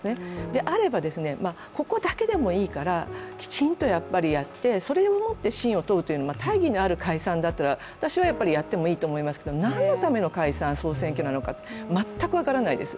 であれば、ここだけでもいいから、きちんとやっぱりやってそれをもって信を問うという大義のある解散だったら私はやってもいいと思いますけれども何のための解散総選挙なのか、全く分からないです、